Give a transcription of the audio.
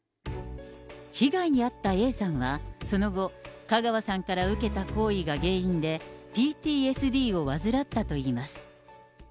被害に遭ったＡさんは、その後、香川さんから受けた行為が原因で、ＰＴＳＤを患ったといいます。